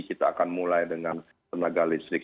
kita akan mulai dengan tenaga listrik